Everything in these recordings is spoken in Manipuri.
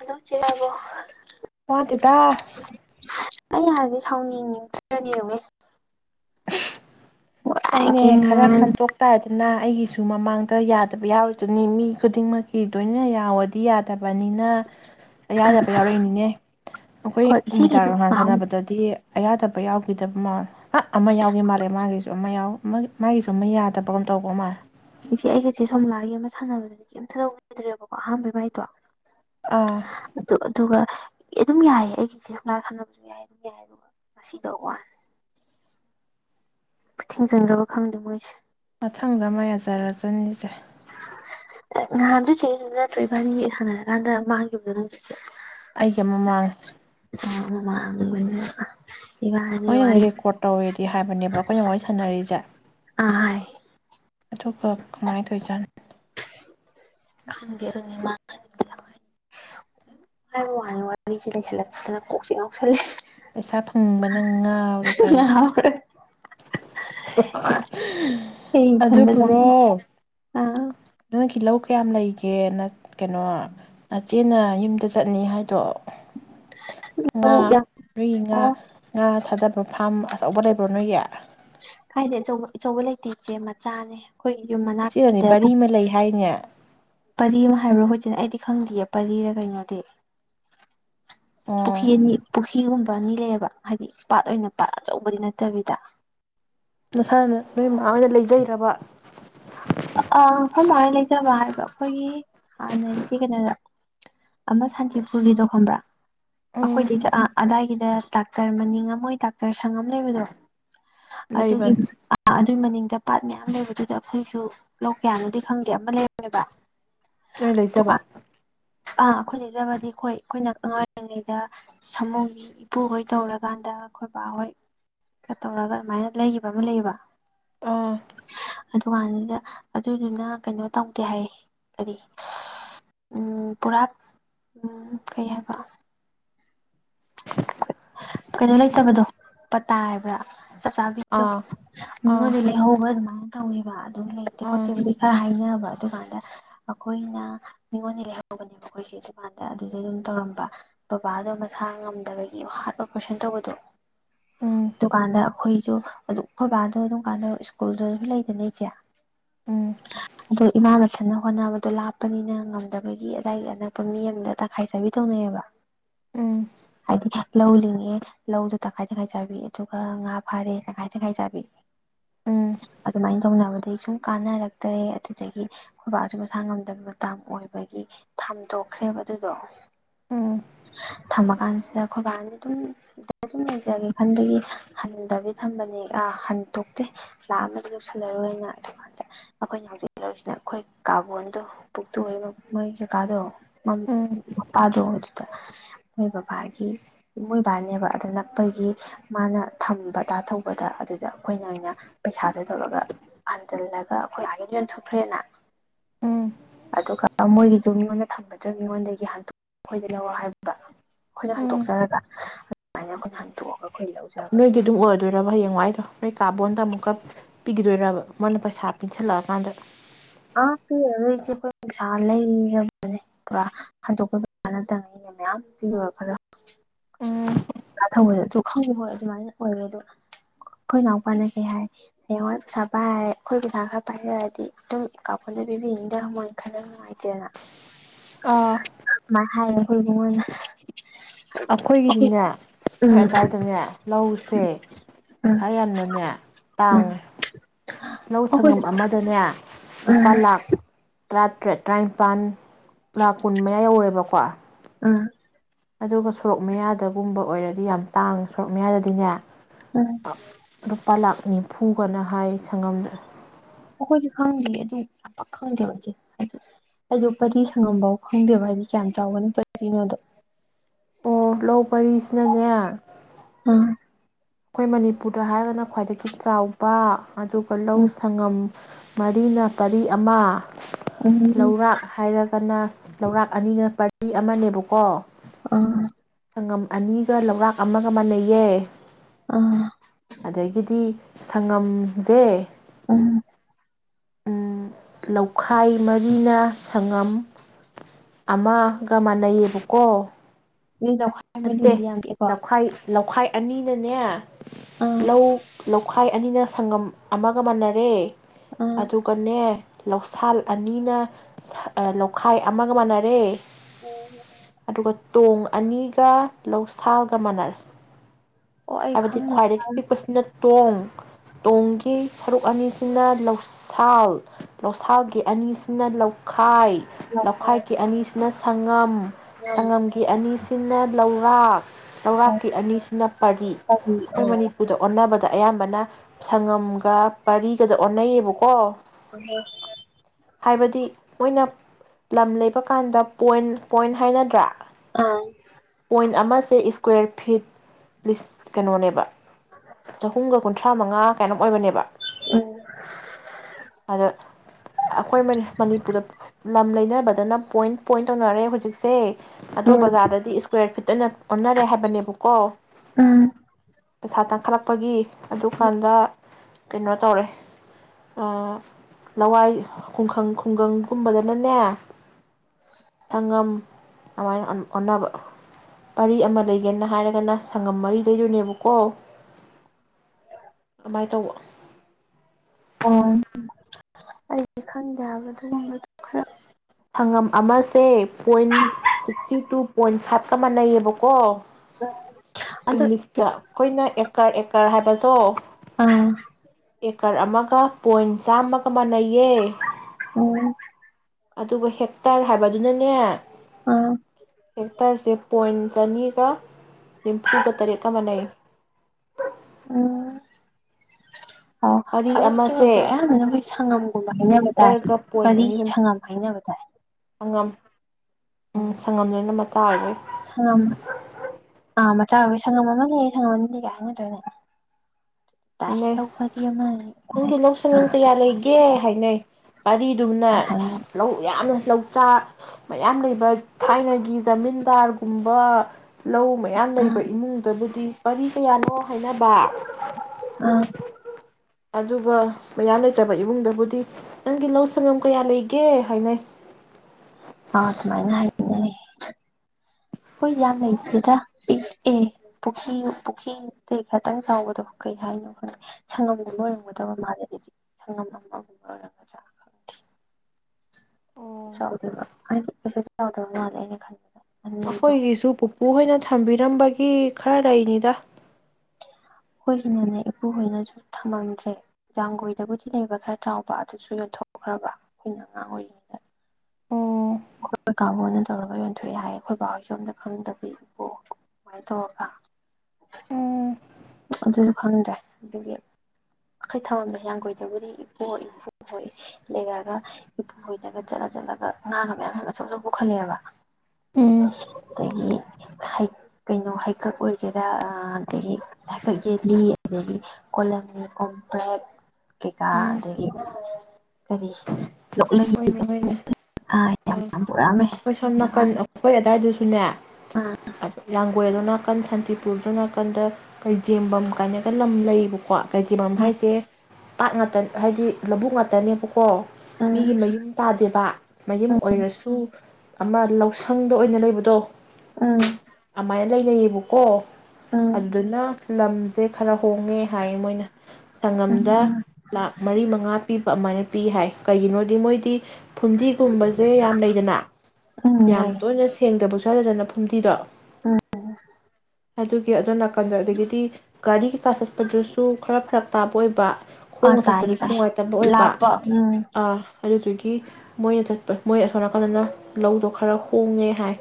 ꯑꯗ ꯆꯦꯕꯣ ꯋꯥꯗꯦꯗ ꯑꯩꯅꯥ ꯍꯥꯏꯕꯗꯤ ꯁꯥꯎꯅꯤꯡꯗ꯭ꯔ ꯌꯦꯡꯉꯨꯅꯦ ꯃꯣꯏꯅꯦ ꯉꯔꯥꯡꯒꯤ ꯈꯔ ꯉꯔꯥꯡ ꯈꯟꯇꯣꯛꯇ ꯅꯥ ꯑꯩꯒꯤꯁꯨ ꯃꯃꯥꯡꯗ ꯌꯥꯗꯕ ꯌꯥꯎꯔꯤꯗꯨꯅꯤ ꯃꯤ ꯈꯨꯗꯤꯡꯃꯛꯀꯤ ꯂꯣꯏꯅ ꯌꯥꯎꯔꯗꯤ ꯌꯥꯗꯕꯅꯤꯅ ꯑꯌꯥꯗꯕ ꯌꯥꯎꯔꯛꯏꯅꯤꯅꯦ ꯑꯩꯈꯣꯏ ꯍꯣꯏ ꯎꯃꯤꯇꯥ ꯏꯆꯦꯒꯤꯁꯨ ꯀꯍꯥꯟ ꯉꯍꯥꯟꯃꯨꯛ ꯁꯥꯟꯅꯕꯗꯗꯤ ꯑꯌꯥꯗꯕ ꯌꯥꯎꯗꯕꯣ ꯑ ꯑꯃ ꯌꯥꯎꯈꯤ ꯃꯥꯜꯂꯦ ꯃꯥꯒꯤꯁꯨ ꯑꯃ ꯌꯥꯎ ꯃꯥꯒꯤꯁꯨ ꯑꯃ ꯌꯥꯗꯕꯒꯨꯝ ꯇꯧꯕ ꯑꯃ ꯏꯆꯦ ꯑꯩꯒꯁꯦ ꯁꯣꯝꯂꯥꯒꯤ ꯑꯃ ꯁꯥꯟꯅꯕꯗꯗꯤ ꯀꯝꯇ ꯂꯧ ꯎꯗ꯭ꯔꯦꯕꯀꯣ ꯑꯍꯥꯟꯕꯩꯚꯥꯏꯗꯣ ꯑꯥ ꯑꯗꯨ ꯑꯗꯨꯒ ꯑꯗꯨꯝ ꯌꯥꯏꯌꯦ ꯑꯩꯒꯤꯁꯦ ꯍꯨꯛꯅꯥ ꯊꯝꯕꯁꯨ ꯌꯥꯏꯌꯦ ꯑꯗꯨꯝ ꯌꯥꯏꯌꯦ ꯑꯗꯨꯒ ꯉꯗ ꯋꯥꯅꯤ ꯊꯤꯡꯖꯤꯟꯈ꯭ꯔꯕ ꯈꯪꯗꯦ ꯃꯣꯏꯁꯦ ꯃꯊꯪꯗ ꯑꯃ ꯌꯥꯖꯔꯁꯨꯨꯅꯤꯁꯦ ꯅꯍꯥꯟꯗꯣꯏ ꯆꯦꯁꯤ ꯅꯠꯇ꯭ꯔꯔꯤꯕꯥꯅꯤ ꯁꯥꯟꯅꯔꯀꯥꯟꯗ ꯃꯥꯡꯈꯤꯕꯗꯣ ꯅꯪꯁꯦ ꯑꯩꯒꯤ ꯑꯃ ꯃꯥꯡꯉꯦ ꯑꯥꯡꯕꯅ ꯅꯣꯏꯅ ꯔꯦꯀꯣꯔꯠ ꯇꯧꯋꯦꯗꯤ ꯍꯥꯏꯕꯅꯦꯕ ꯑꯩꯈꯣꯏꯅ ꯋꯥꯔꯤꯣꯏ ꯁꯥꯟꯅꯔꯤꯁꯦ ꯑꯥ ꯍꯥꯏ ꯑꯇꯣꯞꯄ ꯀꯃꯥꯏꯅ ꯇꯧꯔꯤꯖꯥꯠꯅ ꯈꯪꯗꯦ ꯑꯗꯨꯅꯨꯡꯕ ꯋꯥꯅꯤ ꯋꯥꯔꯤꯁꯤꯦ ꯂꯩꯁꯜꯂꯛꯇꯗꯅ ꯀꯣꯛꯁꯦ ꯉꯥꯎꯁꯜꯂꯦ ꯄꯩꯁꯥ ꯐꯪꯕꯅ ꯉꯥꯎꯔꯤꯦ ꯇꯧꯔꯤꯁꯦ ꯉꯥꯎꯔꯦ ꯑꯩ ꯏꯊꯟꯗꯗꯪ ꯑꯗꯨꯕꯨꯔꯣ ꯑꯥ ꯅꯪꯅꯒꯤ ꯂꯧ ꯀꯌꯥꯝ ꯂꯩꯒꯦ ꯀꯩꯅꯣ ꯅꯆꯦꯅ ꯌꯨꯝꯗ ꯆꯠꯅꯤ ꯍꯥꯏꯗꯣ ꯉꯥ ꯂꯧ ꯌꯥꯝ ꯌꯨꯏ ꯉꯥ ꯑꯣ ꯉꯥ ꯊꯥꯗꯕ ꯐꯥꯝ ꯑꯆꯧꯕ ꯂꯩꯕ꯭ꯔꯣ ꯅꯣꯏꯒꯤ ꯍꯥꯏꯗꯤ ꯑꯆꯧꯕ ꯑꯆꯧꯕ ꯂꯩꯇꯦ ꯏꯆꯦ ꯃꯆꯥꯅꯦ ꯑꯩꯈꯣꯏ ꯌꯨꯝ ꯑꯁꯤꯗꯅꯤ ꯃꯅꯥꯛꯀꯤꯗ ꯄꯔꯤꯃ ꯂꯩ ꯍꯥꯏꯅꯦ ꯄꯔꯤ ꯑꯃ ꯍꯥꯏꯕ꯭ꯔꯣ ꯍꯧꯖꯤꯛꯅꯦ ꯑꯩꯗꯤ ꯈꯪꯗꯌꯦ ꯄꯔꯤꯔ ꯀꯩꯅꯣꯗꯤ ꯑꯣ ꯄꯨꯈꯅꯤ ꯄꯨ ꯐꯤꯒꯨꯝꯕ ꯑꯅꯤ ꯂꯩꯌꯦꯕ ꯍꯥꯏꯗꯤ ꯄꯥꯠ ꯑꯣꯏꯅ ꯄꯥꯠ ꯑꯆꯧꯕꯗꯤ ꯅꯠꯇꯕꯤꯗ ꯅꯁꯥꯅ ꯅꯣꯏ ꯃꯃꯥ ꯑꯣꯏꯅ ꯂꯩꯖꯩꯔꯕ ꯑ ꯑꯩꯈꯣꯏꯃꯥꯏꯅ ꯂꯩꯖꯕ ꯍꯥꯏꯕ ꯑꯩꯈꯣꯏꯒꯤ ꯍꯥꯟꯅ ꯏꯆꯦ ꯀꯩꯅꯣꯗ ꯑꯃ ꯁꯥꯟꯇꯤꯄꯨꯔꯒꯤꯗꯣ ꯈꯪꯕ꯭ꯔꯥ ꯎꯝ ꯑꯩꯈꯣꯏꯗꯤ ꯑꯗꯥꯏꯒꯤꯗ ꯗꯥꯛꯇꯔ ꯃꯅꯤꯡꯉꯝꯃꯣꯏ ꯗꯥꯛꯇꯔ ꯁꯪꯉꯝ ꯂꯩꯕꯗꯣ ꯑꯗꯨꯒꯤ ꯂꯩꯕꯅꯤ ꯑꯗꯨꯏ ꯃꯅꯤꯡꯗ ꯄꯥꯠ ꯃꯌꯥꯝ ꯂꯩꯕꯗꯨꯗ ꯑꯩꯈꯣꯏꯁꯨ ꯂꯣꯛ ꯀꯌꯥꯅꯨꯗꯤ ꯈꯪꯗꯦ ꯑꯃ ꯂꯩꯔꯃꯦꯕ ꯂꯩꯖꯕ ꯑꯥ ꯑꯩꯈꯣꯏ ꯂꯩꯖꯕꯗꯤ ꯍꯣꯏ ꯑꯩꯈꯣꯏꯅ ꯑꯉꯥꯡ ꯑꯣꯏꯔꯤꯉꯩꯗ ꯁꯥꯃꯨꯒꯤ ꯏꯄꯨꯍꯣꯏ ꯇꯧꯔꯀꯥꯟꯗ ꯈꯣꯏꯕꯥꯍꯣꯏ ꯀ ꯇꯧꯔꯒ ꯑꯗꯨꯃꯥꯏꯅ ꯂꯩꯈꯤꯕ ꯑꯃ ꯂꯩꯌꯦꯕ ꯑꯥ ꯑꯗꯨ ꯀꯟꯖꯤꯗꯥ ꯑꯗꯨꯗꯨꯅ ꯀꯩꯅꯣ ꯇꯧꯗꯦ ꯍꯥꯏ ꯀꯔꯤ ꯄꯨꯔꯥ ꯀꯩ ꯍꯥꯏꯕ ꯀꯩꯅꯣ ꯂꯩꯇꯕꯗꯣ ꯄꯥꯇꯥ ꯍꯥꯏꯕ꯭ꯔꯥ ꯆ ꯆꯕꯤ ꯑꯥ ꯑꯥ ꯃꯤꯉꯣꯟ ꯂꯩꯍꯧꯕꯒ ꯃꯥꯏ ꯇꯧꯍꯦꯕ ꯑꯗꯨꯝ ꯂꯩꯇꯦ ꯑꯥ ꯈꯣꯠꯇꯦꯕꯨ ꯈꯔ ꯍꯥꯏꯅꯅꯕ ꯑꯗꯨꯀꯥꯟꯗ ꯑꯩꯈꯣꯏꯅ ꯃꯤꯉꯣꯟꯗ ꯂꯩꯍꯧꯕꯅꯦꯕ ꯃꯈꯣꯏꯁꯦ ꯑꯗꯨꯀꯥꯟꯗ ꯑꯗꯨꯗꯩ ꯑꯗꯨꯝ ꯇꯧꯔꯝꯕ ꯕꯕꯥꯗꯣ ꯃꯁꯥ ꯉꯝꯗꯕꯒꯤ ꯍꯥ ꯀꯣꯏꯁꯟ ꯇꯧꯕꯗꯣ ꯎꯝ ꯗꯨꯀꯥꯟꯗ ꯑꯩꯈꯣꯏꯁꯨ ꯑꯗꯨ ꯑꯩꯈꯣꯏ ꯕꯥꯗꯣ ꯑꯗꯨꯝ ꯀꯥꯟꯗ ꯁ꯭ꯀꯨꯜꯗꯁꯨ ꯂꯩꯗꯅ ꯏꯆꯦ ꯎꯝ ꯑꯗꯨꯝ ꯏꯃꯥ ꯃꯊꯟꯅ ꯍꯣꯠꯅꯕꯗꯣ ꯂꯥꯞꯄꯅꯤꯅ ꯉꯝꯗꯕꯒꯤ ꯑꯗꯥꯏꯒꯤ ꯑꯅꯛꯄ ꯃꯤ ꯑꯃꯗ ꯇꯪꯈꯥꯏ ꯆꯥꯕꯤ ꯇꯧꯅꯩꯌꯦꯕ ꯎꯝ ꯂꯧ ꯂꯩ ꯂꯧꯁꯨ ꯇꯪꯈꯥꯏ ꯇꯪꯈꯥꯏ ꯆꯥꯕꯤ ꯑꯗꯨꯒ ꯉꯥ ꯐꯥꯔꯦ ꯇꯪꯈꯥꯏ ꯇꯪꯈꯥꯏ ꯆꯥꯕꯤ ꯎꯝ ꯑꯗꯨꯃꯥꯏꯅ ꯇꯧꯅꯕꯗꯣ ꯑꯩ ꯁꯨꯝ ꯀꯥꯟꯅꯔꯛꯇꯔꯦ ꯑꯗꯨꯗꯒꯤ ꯈꯣꯏ ꯕꯥꯁꯨ ꯃꯁꯥ ꯉꯝꯗꯕ ꯃꯇꯥꯡ ꯑꯣꯏꯕꯒꯤ ꯊꯥꯝꯗꯣꯛꯈ꯭ꯔꯦꯕ ꯑꯗꯨꯗꯣ ꯎꯝ [unintelligible] ꯊꯝꯃ ꯀꯥꯟꯁꯤꯗ ꯑꯩꯈꯣꯏ ꯕꯥꯅ ꯑꯗꯨꯝ ꯑꯗꯨꯝ ꯂꯩꯖꯒꯦ ꯈꯟꯗꯒꯤ ꯍꯟꯊꯕꯤ ꯊꯝꯕꯅꯦ ꯑ ꯍꯟꯇꯣꯛꯇꯦ ꯂꯥꯛ ꯑꯃꯗ ꯌꯧꯁꯜꯂꯔꯣꯏꯅ ꯑꯗꯨꯀꯥꯟꯗ ꯑꯩꯈꯣꯏꯅ ꯍꯧꯖꯂꯔꯤꯁꯤꯅ ꯑꯩꯈꯣꯏ ꯀꯥ ꯕꯣꯟꯗꯣ ꯄꯨꯛꯇꯣꯟ ꯃꯣꯏ ꯀꯥꯀꯥꯗꯣ ꯃ ꯎꯝ ꯃꯄꯥꯥꯗꯣ ꯑꯗꯨꯗꯣ ꯃꯣꯏꯕꯥꯒꯤ ꯃꯣꯏ ꯏꯄꯥꯅꯦꯕ ꯑꯣ ꯅꯛꯄꯒꯤ ꯃꯥꯅ ꯊꯝꯕ ꯗꯥ ꯊꯧꯕꯗ ꯑꯗꯨꯗ ꯑꯩꯈꯣꯏꯅ ꯑꯣꯏꯅ ꯄꯩꯁꯥꯗꯣ ꯇꯧꯔꯒ ꯍꯟꯖꯤꯜꯂꯒ ꯑꯩꯈꯣꯏ ꯃꯥꯒꯤꯗ ꯌꯟꯊꯣꯛꯈ꯭ꯔꯦꯅ ꯎꯝ ꯑꯗꯨꯒ ꯃꯣꯏꯒꯤꯗ ꯃꯤꯉꯣꯟꯗ ꯊꯝꯕꯗꯣ ꯃꯤꯉꯣꯟꯗꯒꯤ ꯑꯩꯈꯣꯏꯗ ꯂꯧꯔꯣ ꯍꯥꯏꯕ ꯑꯩꯈꯣꯏꯅ ꯎꯝ ꯍꯟꯗꯣꯛꯆꯔꯒ ꯑꯗꯨꯃꯥꯏ ꯍꯟꯇꯣꯛꯄ ꯅꯣꯏꯒꯤ ꯑꯗꯨꯝ ꯑꯣꯏꯔꯗꯣꯏꯔꯥꯕ ꯍꯌꯦꯡꯋꯥꯏ ꯅꯣꯏ ꯀꯥ ꯕꯣꯟꯗ ꯑꯃꯨꯛꯀ ꯄꯤꯈꯤꯗꯣꯏꯔꯕ ꯃꯣꯏꯅ ꯄꯩꯁꯥ ꯄꯟꯁꯤꯜꯂꯛꯑꯀꯥꯟꯗ ꯑꯥ ꯄꯤꯔꯔꯣꯏ ꯏꯆꯦ ꯑꯩꯈꯣꯏ ꯄꯩꯁꯥ ꯂꯩꯔꯕꯅꯦ ꯄꯨꯔꯥ ꯈꯟꯗꯣꯛꯄꯥ ꯅꯠꯇꯅ ꯑꯩꯅ ꯃꯌꯥꯝ ꯄꯤꯗ ꯈꯔ ꯊꯧꯕꯗ ꯑꯗꯨ ꯈꯪꯕ ꯍꯣꯏ ꯑꯗꯨꯃꯥꯏꯅ ꯑꯣꯏꯔꯦ ꯑꯗꯣ ꯑꯩꯈꯣꯏ ꯏꯅꯥꯎꯄꯥꯅ ꯀꯩ ꯍꯥꯏ ꯍꯌꯦꯡꯋꯥ ꯄꯩꯁꯥ ꯄꯥꯏꯦ ꯑꯩꯈꯣꯏ ꯄꯩꯁꯥ ꯈꯔ ꯄꯥꯏꯔꯛꯑꯗꯤ ꯑꯗꯨꯝ ꯀꯥ ꯕꯣꯟꯗ ꯄꯤꯕꯤꯅꯤꯗ ꯍꯥꯏ ꯈꯔ ꯅꯨꯡꯉꯥꯏꯇꯦꯅ ꯑꯥ ꯃꯥꯏ ꯍꯥꯏ ꯑꯩꯈꯣꯏ ꯏꯕꯨꯡꯅ ꯑꯩꯈꯣꯏꯒꯤꯗꯤꯅꯦ ꯑꯩꯈꯣꯏ ꯎꯝ ꯑꯗꯥꯏꯗꯅꯦ ꯂꯧꯁꯦ ꯎꯝ ꯄꯩꯁꯥ ꯌꯥꯝꯅꯅꯦ ꯎꯝ ꯇꯥꯡꯉꯦ ꯂꯧ ꯁꯪꯉꯝ ꯑꯃꯗꯅꯦ ꯂꯨꯄꯥ ꯂꯥꯛ ꯑ ꯇꯔꯥꯇꯔꯦꯠ ꯇꯔꯥꯅꯤꯄꯜ ꯂꯥꯛ ꯀꯨꯟ ꯃꯌꯥ ꯌꯧꯔꯦꯕꯀꯣ ꯎꯝ ꯑꯗꯨꯒ ꯁꯣꯔꯣꯛ ꯃꯌꯥꯗꯒꯨꯝꯕ ꯑꯣꯏꯔꯗꯤ ꯌꯥꯝ ꯇꯥꯡꯉꯦ ꯁꯣꯔꯣꯛ ꯃꯌꯥꯗꯗꯤꯅꯦ ꯎꯝ ꯑ ꯂꯨꯄꯥ ꯂꯥꯛ ꯅꯤꯐꯨꯒꯅ ꯍꯥꯏ ꯁꯪꯉꯝ ꯑꯩꯈꯣꯏꯁꯦ ꯈꯪꯗꯦ ꯑꯗꯨꯝ ꯌꯥꯝ ꯈꯪꯗꯦꯕ ꯏꯆꯦ ꯑꯩꯣ ꯄꯔꯤ ꯁꯪꯉꯝꯝꯕꯥꯎ ꯈꯪꯗꯦꯕ ꯍꯥꯏꯗꯤ ꯀꯌꯥꯝ ꯆꯥꯎꯒꯅꯤ ꯄꯔꯤꯅꯣꯗꯣ ꯑꯣ ꯂ ꯋꯥꯔꯤꯔꯤꯁꯤꯅꯅꯦ ꯎꯝ ꯑꯩꯈꯣꯏ ꯃꯅꯤꯄꯨꯔꯗ ꯍꯥꯏꯔꯒꯅ ꯈ꯭ꯋꯥꯏꯗꯒꯤ ꯆꯥꯎꯕ ꯑꯗꯨꯒ ꯎꯝ ꯂꯧ ꯁꯪꯉꯝ ꯃꯔꯤꯅ ꯄꯔꯤ ꯑꯃ ꯎꯝ ꯂꯧꯔꯥꯛ ꯍꯥꯏꯔꯒꯅ ꯂꯧꯔꯥꯛ ꯑꯅꯤꯒ ꯄ ꯃꯤ ꯑꯃꯅꯦꯕꯀꯣ ꯑ ꯑꯉꯝ ꯑꯅꯤꯒ ꯂꯧꯔꯥꯛ ꯑꯃꯒ ꯃꯥꯟꯅꯩꯌꯦ ꯑꯥ ꯑꯗꯒꯤꯗꯤ ꯁꯪꯉꯝꯖꯦ ꯎꯝ ꯂꯧꯈꯥꯏ ꯃꯔꯤꯅ ꯁꯪꯉꯝ ꯑꯃꯒ ꯃꯥꯟꯅꯩꯑꯕꯀꯣ ꯇꯈꯕꯗꯤꯗꯤ ꯌꯥꯝꯒꯑꯦꯀꯣ ꯂꯧꯈꯥꯏ ꯑꯅꯤꯅꯅꯦ ꯑꯥ ꯂꯧ ꯂꯧꯈꯥꯏ ꯑꯅꯤꯅ ꯁꯪꯒꯝ ꯑꯃꯒ ꯃꯅꯔꯦ ꯑꯥ ꯑꯗꯨꯒꯅꯦ ꯂꯧꯁꯥꯜ ꯑꯅꯤꯅ ꯅꯣꯛꯈꯥꯏ ꯑꯃꯒ ꯃꯥꯟꯅꯔꯦ ꯎꯝ ꯑꯗꯨꯒ ꯇꯣꯡ ꯑꯅꯤ ꯒ ꯂꯧꯁꯥꯒ ꯃꯥꯟꯅꯔꯦ ꯑꯣ ꯑꯩ ꯍꯥꯏꯕꯗꯤ ꯈꯪꯗ ꯈ꯭ꯋꯥꯏꯗꯒꯤ ꯄꯤꯛꯄꯁꯤꯅ ꯇꯣꯡ ꯇꯣꯡꯒꯤ ꯁꯔꯨꯛ ꯑꯅꯤꯁꯤꯅ ꯂꯧꯁꯥꯜ ꯂꯧꯁꯥꯒꯤ ꯑꯅꯤꯁꯤꯅ ꯂꯧ ꯂꯝꯈꯥꯏ ꯂꯧꯈꯥꯏ ꯂꯧꯈꯥꯏꯒꯤ ꯑꯅꯤꯁꯤꯅ ꯁꯉꯝ ꯇꯉꯥꯟ ꯁꯪꯉꯝꯒꯤ ꯑꯅꯤꯁꯤ ꯁꯤꯅ ꯂꯧꯔꯥꯛ ꯂꯧꯔꯥꯛꯀꯤ ꯑꯅꯤꯁꯤꯅ ꯄꯔꯤ ꯀꯔꯤ ꯑꯩꯈꯣꯏ ꯑꯣ ꯃꯅꯤꯄꯨꯔꯗ ꯑꯣꯟꯅꯕꯗ ꯑꯌꯥꯝꯕꯅ ꯁꯪꯉꯝꯒ ꯄꯔꯤꯒꯗ ꯑꯣꯟꯅꯩꯌꯦꯕꯀꯣ ꯍꯥꯏꯕꯗꯤ ꯃꯣꯏꯅ ꯂꯝ ꯂꯩꯕ ꯀꯥꯟꯗ ꯄꯣꯏꯟ ꯄꯣꯏꯟ ꯍꯥꯏꯅꯗ꯭ꯔꯥ ꯑꯥ ꯄꯣꯏꯟ ꯑꯃꯁꯦ ꯏꯁꯀ꯭ꯋꯦꯔ ꯐꯤꯠ ꯀꯩꯅꯣꯅꯦꯕ ꯆ ꯍꯨꯡꯒ ꯀꯣꯟ ꯊꯥꯃꯉꯥ ꯀꯥꯏꯅꯣꯛ ꯑꯣꯏꯕꯅꯦꯕ ꯑꯗ ꯑꯩꯈꯣꯏ ꯃꯅꯤꯄꯨꯔꯗ ꯂꯝ ꯂꯩꯅꯕꯗꯅ ꯄꯣꯏꯟ ꯄꯣꯏꯟ ꯇꯧꯅꯔꯦ ꯍꯧꯖꯤꯛꯁꯦ ꯑꯗꯣ ꯕꯖꯥꯔꯗ ꯏꯁꯀ꯭ꯋꯥꯔ ꯐꯤꯠ ꯑꯣꯏꯅ ꯑꯣꯟꯅꯔꯦ ꯍꯥꯏꯕꯅꯦꯕꯀꯣ ꯑꯝ ꯄꯩꯁꯥ ꯇꯥꯡꯈꯠꯂꯛꯄꯒꯤ ꯑꯗꯨꯀꯥꯟꯗ ꯀꯩꯅꯣ ꯇꯧꯔꯦ ꯂꯋꯥꯏ ꯈꯪ ꯈꯨꯡꯒꯪꯒꯨꯝꯕꯗꯅꯅꯦ ꯁꯉꯝ ꯑꯗꯨꯃꯥꯏꯅ ꯑꯣꯟꯅꯕ ꯄꯔꯤ ꯑꯃ ꯂꯩꯒꯦꯅ ꯍꯥꯏꯔꯒꯅ ꯁꯪꯉꯝ ꯃꯔꯤ ꯂꯩꯗꯣꯏꯅꯦꯕꯀꯣ ꯑꯗꯨꯃꯥꯏꯅ ꯇꯧꯕ ꯎꯝ ꯑꯣ ꯑꯩꯗꯤ ꯈꯪꯗꯦ ꯍꯥꯏꯕ ꯑꯗꯨꯒꯨꯝꯕꯗꯣ ꯈꯔ ꯁꯪꯉꯝ ꯑꯃꯁꯦ ꯄꯣꯏꯟ ꯁꯤꯛꯁꯇꯤꯇꯨ ꯄꯣꯏꯟ ꯐꯥꯏꯚ [unintelligible] ꯃꯥꯟꯅꯩꯌꯦꯕꯀꯣ ꯑꯗꯣ ꯏꯪꯂꯤꯁꯇ ꯑꯩꯈꯣꯏꯅ ꯑꯦꯀꯔ ꯑꯦꯀꯔ ꯍꯥꯏꯕꯁ ꯇꯣ ꯑꯥ ꯑꯦꯀꯔ ꯑꯃꯒ ꯄꯣꯏꯟ ꯆꯥꯝꯃꯒ ꯃꯥꯅꯩꯌꯦ ꯎꯝ ꯑꯗꯨꯕꯨ ꯍꯦꯛꯇꯔ ꯍꯥꯏꯕꯗꯨꯅꯅꯦ ꯑꯥ ꯍꯦꯛꯇꯔꯁꯦ ꯄꯣꯏꯟ ꯆꯅꯤꯒ ꯅꯤꯝꯐꯨꯒ ꯇꯔꯦꯠꯀ ꯃꯅꯩ ꯎꯝ ꯑꯣ ꯑꯗꯣ ꯏꯆꯦꯉꯥꯟꯊꯣꯏ ꯑꯌꯥꯝꯕꯅ ꯃꯣꯏ ꯁꯪꯉꯝꯒꯨꯝꯕ ꯍꯥꯏꯅꯕ ꯇꯥꯏ ꯍꯦꯛꯇꯔꯒ ꯄꯣꯏꯟ ꯄꯔꯤ ꯑꯅꯤ ꯑꯍꯨꯝ ꯁꯪꯉꯝ ꯍꯥꯏꯅꯕ ꯇꯥꯏ ꯁꯪꯉꯝ ꯎꯝ ꯁꯪꯉꯝꯅꯤꯅ ꯃꯆꯥ ꯑꯣꯏꯗꯣꯏ ꯆ ꯆꯥꯎꯕꯩ ꯁꯪꯉꯝ ꯑꯃ ꯂꯩꯌꯦ ꯁꯪꯉꯝ ꯑꯃ ꯂꯩꯒꯥ ꯍꯥꯏꯅꯗ꯭ꯔꯅꯦ ꯇꯥꯏ ꯍꯥꯏꯅꯩ ꯂꯧ ꯄꯔꯤ ꯑꯃ ꯆꯥꯏ ꯅꯪꯒꯤ ꯂꯧ ꯁꯉꯝ ꯑꯥ ꯀꯌꯥ ꯂꯩꯒꯦ ꯑꯗꯨꯃꯥꯏꯅ ꯍꯥꯏꯅꯩ ꯄꯔꯤꯗꯨꯅ ꯍꯥꯏꯅ ꯂꯧ ꯌꯥꯝꯅ ꯂꯧ ꯆꯥ ꯃꯌꯥꯝ ꯂꯩꯕ ꯊꯥꯏꯅꯒꯤ ꯖꯃꯤꯟꯗꯥꯔꯒꯨꯝꯕ ꯂꯧ ꯃꯌꯥꯝ ꯑꯥ ꯂꯩꯕ ꯏꯃꯨꯡꯗꯕꯨꯗꯤ ꯄꯔꯤ ꯀꯌꯥꯅꯣ ꯍꯥꯏꯅꯕ ꯑꯥ ꯑꯗꯨꯒ ꯃꯌꯥꯝ ꯂꯩꯇꯕ ꯏꯃꯨꯡꯗꯕꯨꯗꯤ ꯅꯪꯒꯤ ꯂꯧ ꯁꯪꯉꯝ ꯀꯌꯥ ꯂꯩꯒꯦ ꯍꯥꯏꯅꯩ ꯈꯣꯏ ꯌꯥꯝ ꯂꯩꯇꯦꯗ ꯄꯤꯛꯑꯦ ꯄꯨꯈ꯭ꯔꯤ ꯄꯨꯈ꯭ꯔꯤꯗꯩ ꯃꯨꯛꯇꯪ ꯆꯥꯎꯕꯗꯣ ꯀꯩ ꯍꯥꯏꯅꯣ ꯈꯪꯗꯦ ꯁꯪꯉꯝꯒꯨꯝꯕ ꯑꯣꯏꯔꯝꯒꯗꯕ ꯃꯥꯜꯂꯦ ꯑꯗꯨꯗꯤ ꯁꯪꯉꯝ ꯑꯃꯒꯨꯝꯕ ꯑꯣꯏꯔꯝꯒꯗ꯭ꯔꯥ ꯈꯪꯗꯦ ꯀꯩꯗꯣꯏ ꯍꯥꯏꯗꯤ ꯀꯩꯁꯨ ꯆꯥꯎꯗꯕ ꯃꯥꯜꯂꯦ ꯑꯩꯅ ꯈꯟꯕꯗ ꯑꯅꯤꯗꯣ ꯑꯩꯈꯣꯏꯒꯤꯁꯨ ꯄꯨꯄꯨ ꯍꯣꯏꯅ ꯊꯝꯕꯤ ꯏꯔꯝꯕꯒꯤ ꯈꯔ ꯂꯩꯅꯤꯗ ꯑꯩꯈꯣꯏꯒꯤꯅꯅꯦ ꯏꯄꯨ ꯍꯣꯏꯅꯁꯨ ꯊꯝꯃꯝꯗ꯭ꯔꯦ ꯑꯦꯟꯖꯥꯡꯒꯣꯏꯗꯕꯨꯗꯤ ꯂꯩꯕ ꯈꯔ ꯆꯥꯎꯕ ꯑꯗꯨꯁꯨ ꯌꯣꯟꯊꯣꯛꯈ꯭ꯔꯕ ꯑꯩꯈꯣꯏꯅ ꯑꯉꯥꯡ ꯑꯣꯏꯔꯤꯉꯩꯗ ꯎꯝ ꯑꯩꯈꯣꯏꯕ ꯀꯥꯡꯕꯨꯅ ꯇꯧꯔꯒ ꯌꯣꯟꯊꯣꯛꯑꯦ ꯍꯥꯏꯌꯦ ꯑꯩꯈꯣꯏ ꯕꯥꯣꯏ ꯁꯣꯝꯗ ꯈꯪꯗꯕꯤ ꯏꯕꯣ ꯀꯃꯥꯏꯅ ꯇꯧꯔꯒ ꯑꯗꯨꯁꯨ ꯈꯪꯗ꯭ꯔꯦ ꯑꯗꯒꯤ ꯑꯩꯈꯩ ꯊꯥꯝꯗ ꯍꯤꯌꯥꯡ ꯀꯣꯏꯏꯗꯕꯨꯗꯤ ꯏꯄꯨ ꯏꯄꯨ ꯍꯣꯏ ꯂꯩꯔꯛꯒ ꯏꯄꯨ ꯍꯣꯏꯔꯒ ꯆꯠꯂ ꯆꯠꯂꯒ ꯉꯥꯒ ꯃꯌꯥꯝ ꯃ ꯑꯆꯧꯁꯨ ꯄꯨꯈꯜꯂꯦꯕ ꯎꯝ ꯑꯗꯒꯤ ꯀꯩꯅꯣ ꯍꯩꯀꯛ ꯑꯣꯏꯒꯦꯔꯥ ꯑꯗꯒꯤ ꯍꯥꯏꯀꯠ ꯌꯦꯦꯜꯂꯤ ꯑꯗꯒꯤ ꯀꯣꯂꯝꯅꯤ ꯀꯣꯝꯄ꯭ꯔꯦꯛ ꯀꯩꯀꯥ ꯑꯗꯒꯤ ꯀꯔꯤ ꯂ ꯍꯣꯏꯅꯦ ꯍꯣꯏꯅꯦ ꯂ ꯌꯥꯝ ꯄꯨꯔꯛꯑꯝꯃꯦ ꯑꯩꯈꯣꯏ ꯁꯣꯝ ꯅꯥꯀꯟ ꯅꯍꯥꯟ ꯑꯩꯈꯣꯏ ꯑꯗꯥꯋꯥꯏꯗꯁꯨ ꯁꯤꯅ ꯑꯥ ꯌꯥꯝ ꯀꯨꯏꯦ ꯑꯗꯨꯅ ꯅꯥꯀꯟ ꯁꯥꯟꯇꯤꯄꯨꯔꯗ ꯅꯥꯀꯟꯗ ꯀꯩꯖꯦꯝꯕꯝ ꯀꯥꯏꯅꯒ ꯂꯝ ꯂꯩꯕꯀꯣ ꯀꯣ ꯀꯩꯖꯤꯃꯝ ꯎꯝ ꯍꯥꯏꯁꯦ ꯄꯥꯠ ꯉꯇ ꯍꯥꯏꯗꯤ ꯂꯧꯕꯨꯛ ꯉꯥꯛꯇꯅꯦꯕ ꯀꯣ ꯃꯤꯒꯤ ꯃꯌꯨꯝ ꯇꯥꯗꯦꯕ ꯃꯌꯨꯝ ꯎꯝ ꯑꯣꯏꯔꯁꯨ ꯑꯃ ꯂꯧꯁꯪꯗ ꯑꯣꯏꯅ ꯂꯩꯕꯗꯣ ꯎꯝ ꯂꯩ ꯂꯩꯌꯦꯕꯀꯣ ꯎꯝ ꯑꯗꯨꯅ ꯂꯝꯁꯦ ꯈꯔ ꯍꯣꯡꯉꯦ ꯍꯥꯏ ꯃꯣꯏꯅ ꯁꯪꯉꯝꯗ ꯎꯝ ꯂꯥꯛꯈ ꯃꯔꯤ ꯃꯉꯥ ꯄꯤꯕ ꯑꯗꯨꯃꯥꯏꯅ ꯄꯤ ꯍꯥꯏ ꯀꯩꯒꯤꯅꯣꯗꯤ ꯃꯣꯏꯗꯤ ꯐꯨꯝꯗꯤꯒꯨꯝꯕꯁꯦ ꯌꯥꯝ ꯂꯩꯗꯅ ꯎꯝ ꯌꯥꯝ ꯂꯩ ꯇꯣꯏꯅ ꯁꯦ ꯌꯦꯡꯗꯕꯨ ꯁꯥꯗꯗꯅ ꯐꯨꯝꯗꯤꯗꯣ ꯑ ꯑꯗꯨꯒꯤ ꯑꯗꯨꯅ ꯑꯗꯒꯤꯗꯤ ꯒꯥꯔꯤ ꯀꯩꯀꯥ ꯆꯠꯄꯗꯨꯁꯨ ꯈꯔ ꯐꯔꯛ ꯑꯇꯥꯞ ꯑꯣꯏꯕ ꯑꯥ ꯍꯣꯡꯉ ꯇꯥꯏ ꯆꯠꯄꯗꯨꯁꯨ ꯇꯥꯏ ꯅꯨꯡꯉꯥꯏꯇꯕ ꯑꯣꯏꯕ ꯂꯥꯞꯄ ꯎꯝ ꯑ ꯑꯗꯨꯗꯨꯒꯤ ꯀ ꯃꯣꯏꯅ ꯆꯠꯄ ꯃꯣꯏ ꯁꯣꯟꯣꯔꯀꯥꯟꯗꯅ ꯂꯧꯗꯣ ꯈꯔ ꯍꯣꯡꯉꯦ ꯍꯥꯏ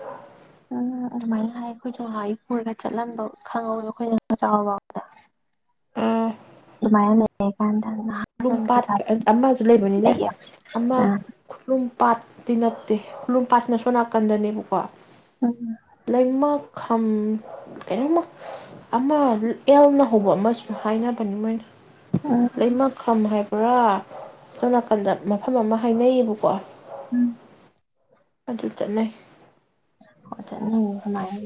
ꯎꯝ ꯑꯗꯨꯃꯥꯏꯅ ꯍꯥꯏ ꯑꯩꯈꯣꯏꯁꯨ ꯂ ꯄꯨꯔꯒ ꯆꯠꯂꯝꯕ ꯈꯪꯍꯧꯗ ꯑꯩꯈꯣꯏꯅ ꯆꯥꯎꯗ ꯑꯥ ꯑꯗꯨꯃꯥꯏꯀꯥꯟ ꯈꯨꯂꯨꯝ ꯄꯥꯠ ꯑꯃꯁꯨ ꯂꯩꯕꯅꯤꯅꯦ ꯂꯩꯌꯦꯕ ꯑꯃ ꯈꯨꯂꯨꯝ ꯄꯥꯠꯇꯤ ꯅꯠꯇꯦ ꯈꯨꯂꯨꯝ ꯄꯥꯠꯁꯤꯅ ꯁꯣ ꯅꯥꯀꯟꯗꯅꯦꯕꯀꯣ ꯎꯝ ꯂꯩꯃ ꯈꯝ ꯀꯩꯅꯣꯝꯃ ꯑꯃ ꯑꯦꯜꯅ ꯍꯧꯕ ꯑꯃꯁꯨ ꯍꯥꯏꯅꯕꯅꯤ ꯃꯣꯏꯅ ꯎꯝ ꯂꯩꯃ ꯈꯝ ꯍꯥꯏꯕ꯭ꯔꯥ ꯁꯣꯝ ꯅꯥꯀꯟꯗ ꯃꯐꯝ ꯑꯃ ꯍꯥꯏꯅꯩꯌꯦꯕꯀꯣ ꯎꯝ ꯑꯗꯨ ꯆꯠꯟꯅꯩ ꯑ ꯀꯃꯥꯏ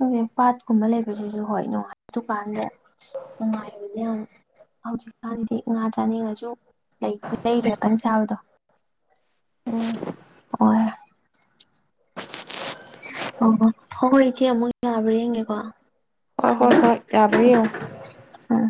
ꯑꯗꯨꯩ ꯄꯥꯠꯀꯨꯝꯕ ꯂꯩꯕꯁꯤꯁꯨ ꯍꯣꯏ ꯅꯨꯡꯉꯥꯏ ꯗꯨꯀꯥꯟꯗ ꯅꯨꯡꯉꯥꯏꯕꯗꯤ ꯌꯥꯝ ꯍꯧꯖꯤꯛꯀꯥꯟꯒꯤꯗꯤ ꯉꯥ ꯆꯥꯅꯤꯡꯉꯁꯨ ꯂꯩ ꯂꯩꯔꯦ ꯀꯪ ꯆꯥꯕꯗꯣ ꯎꯝ ꯑꯣꯏ ꯑꯣ ꯍꯣꯏ ꯏꯆꯦ ꯑꯃꯨꯛ ꯌꯥꯕ꯭ꯔꯥ ꯌꯦꯡꯒꯦꯀꯣ ꯍꯣꯏ ꯍꯣꯏ ꯊꯝꯃꯒꯦ ꯍꯣꯏ ꯌꯥꯕꯤꯌꯨ ꯎꯝ